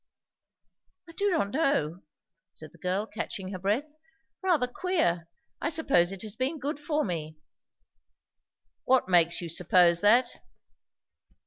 "I do not know," said the girl catching her breath. "Rather queer. I suppose it has been good for me." "What makes you suppose that?"